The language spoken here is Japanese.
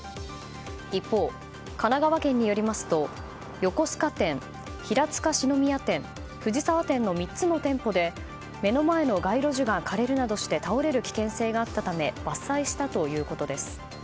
一方、神奈川県によりますと横須賀店、平塚四之宮店藤沢店の３つの店舗で目の前の街路樹が枯れるなどして倒れる危険性があったとして伐採したということです。